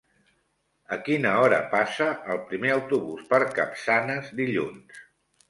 A quina hora passa el primer autobús per Capçanes dilluns?